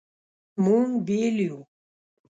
مونږ بیل یو